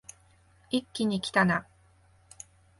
一気にきたな